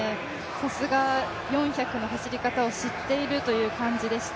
さすが４００の走り方を知っているという感じでした。